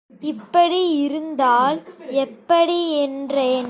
இப்படி இருந்தால் எப்படி? என்றேன்.